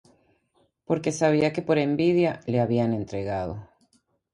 Porque sabía que por envidia le habían entregado.